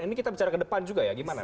ini kita bicara ke depan juga ya gimana